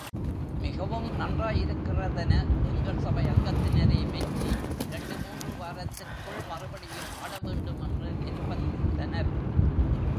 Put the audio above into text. மிகவும் நன்றாயிருக்கிற தென எங்கள் சபை அங்கத்தினரே மெச்சி, இரண்டு மூன்று வாரத்திற்குள் மறுபடியும் ஆடவேண்டுமென்று நிர்ப்பந்தித்தனர்.